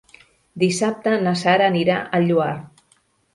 Dissabte na Sara anirà al Lloar.